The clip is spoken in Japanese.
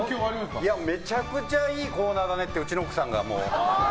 めちゃくちゃいいコーナーだねってうちの奥さんが。